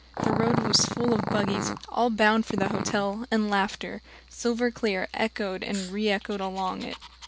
The road was full of buggies, all bound for the hotel, and laughter, silver clear, echoed and reechoed along it.